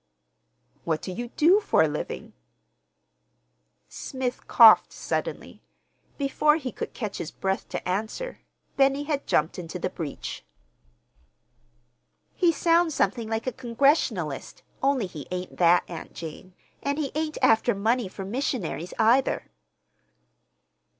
"What do you do for a living?" Smith coughed suddenly. Before he could catch his breath to answer Benny had jumped into the breach. "He sounds something like a Congregationalist, only he ain't that, Aunt Jane, and he ain't after money for missionaries, either."